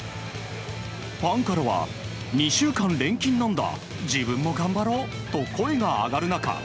ファンからは２週間連勤なんだ自分も頑張ろうと声が上がる中